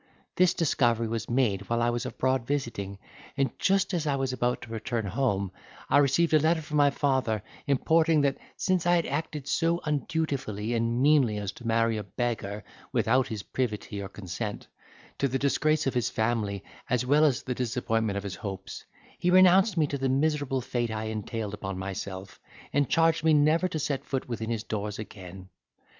This discovery was made while I was abroad visiting, and just as I was about to return home, I received a letter from my father, importing that, since I had acted so undutifully and meanly as to marry a beggar, without his privity or consent, to the disgrace of his family as well as the disappointment of his hopes, he renounced me to the miserable fate I had entailed upon myself, and charged me never to set foot within his doors again.